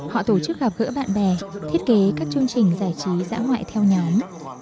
họ tổ chức gặp gỡ bạn bè thiết kế các chương trình giải trí giã ngoại theo nhóm